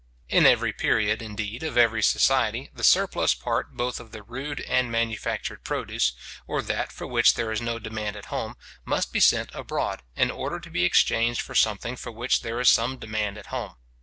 In every period, indeed, of every society, the surplus part both of the rude and manufactured produce, or that for which there is no demand at home, must be sent abroad, in order to be exchanged for something for which there is some demand at home.